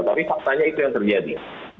tapi faktanya itu yang terjadi